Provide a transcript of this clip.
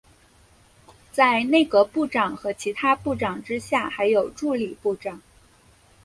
在内阁部长和其他部长之下还有助理部长。